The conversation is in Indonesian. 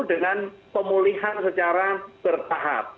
dengan pemulihan secara bertahap